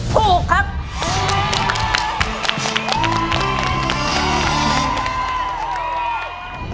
ถูกครับ